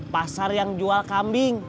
pasar yang jual kambing